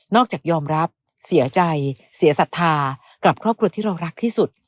จากยอมรับเสียใจเสียศรัทธากับครอบครัวที่เรารักที่สุด